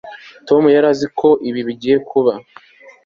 tom yari azi ko ibi bigiye kuba